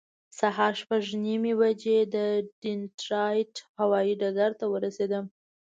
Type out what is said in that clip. سهار شپږ نیمې بجې د ډیټرایټ هوایي ډګر ته ورسېدم.